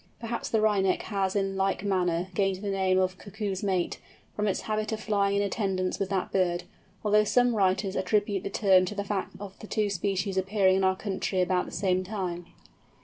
Perhaps the Wryneck has in like manner, gained the name of "Cuckoo's Mate" from its habit of flying in attendance with that bird; although some writers attribute the term to the fact of the two species appearing in our country about the same time.